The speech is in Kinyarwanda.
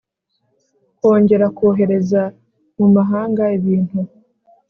Kongera kohereza mu mahanga ibintu